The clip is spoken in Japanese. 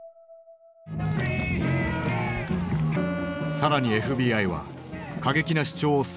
更にＦＢＩは過激な主張をする黒人